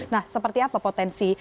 nah seperti apa potensi